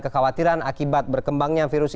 kekhawatiran akibat berkembangnya virus